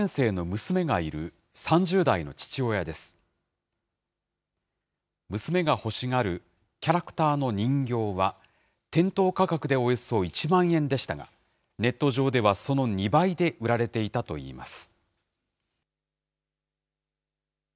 娘が欲しがるキャラクターの人形は、店頭価格でおよそ１万円でしたが、ネット上ではその２倍で売られていたといいます。